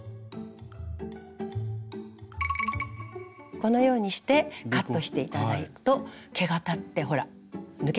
このようにしてカットして頂くと毛が立ってほら抜けないでしょ？